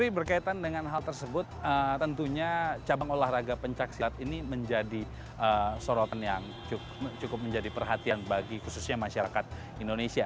tapi berkaitan dengan hal tersebut tentunya cabang olahraga pencaksilat ini menjadi sorotan yang cukup menjadi perhatian bagi khususnya masyarakat indonesia